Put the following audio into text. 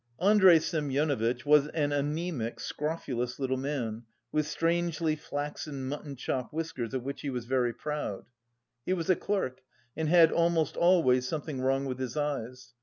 Andrey Semyonovitch was an anæmic, scrofulous little man, with strangely flaxen mutton chop whiskers of which he was very proud. He was a clerk and had almost always something wrong with his eyes.